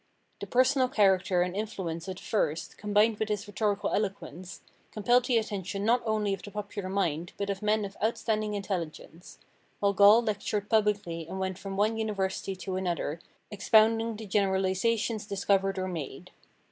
The personal character and influence of the first, combined with his rhetorical eloquence, compelled the attention not only of the popular mind but of men of outstanding intelligence ; while Gall lectured publicly and went from one University to another expounding the generalisations discovered or made.